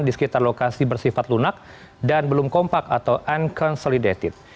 di sekitar lokasi bersifat lunak dan belum kompak atau unconsolidated